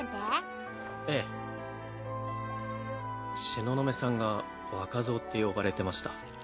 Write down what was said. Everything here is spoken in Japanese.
東雲さんが若造って呼ばれてました。